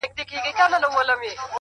هره هڅه راتلونکی پیاوړی کوي،